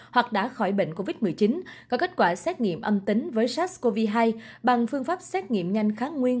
hoặc đã khỏi bệnh covid một mươi chín có kết quả xét nghiệm âm tính với sars cov hai bằng phương pháp xét nghiệm nhanh kháng nguyên